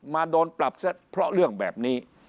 โดนปรับซะเพราะเรื่องแบบนี้